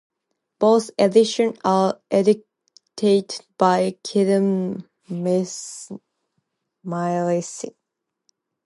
Both editions are edited by Kenneth McLeish.